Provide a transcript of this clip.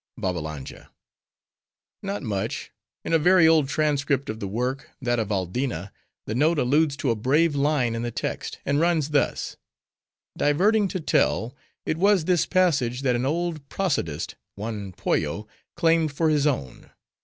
BABBALANJA—Not much. In a very old transcript of the work—that of Aldina—the note alludes to a brave line in the text, and runs thus:— "Diverting to tell, it was this passage that an old prosodist, one Pollo, claimed for his own.